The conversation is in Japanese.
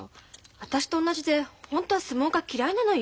私と同じでホントは相撲が嫌いなのよ。